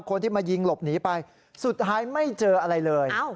คนที่มายิงหลบหนีไปสุดท้ายไม่เจออะไรเลย